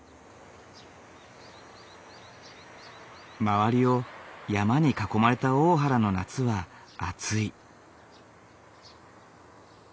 周りを山に囲まれた大原の夏は暑い。